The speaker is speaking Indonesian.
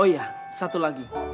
oh iya satu lagi